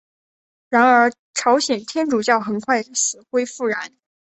然而朝鲜天主教很快死灰复燃。